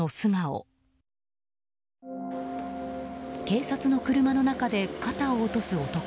警察の車の中で肩を落とす男。